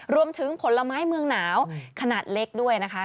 ผลไม้เมืองหนาวขนาดเล็กด้วยนะคะ